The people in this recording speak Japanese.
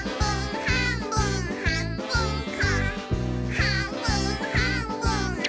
はんぶんこはんぶんこ！